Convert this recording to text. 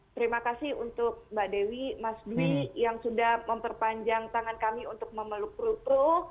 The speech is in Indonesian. terima kasih untuk mbak dewi mas dwi yang sudah memperpanjang tangan kami untuk memeluk perut perut